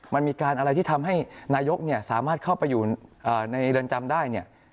มันมีการอะไรที่ทำให้นายกสามารถเข้าไปอยู่ในเรือนจำได้เนี่ย